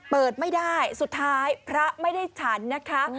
เปิดไม่ได้สุดท้ายพระไม่ได้ฉันนะคะ